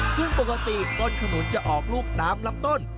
ซึ่งปกติต้นขนุนจะออกลูกตามลำต้น